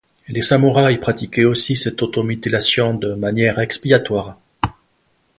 Les samourais pratiquaient aussi cette automutilation de manière expiatoire.